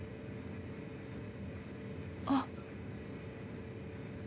あっ！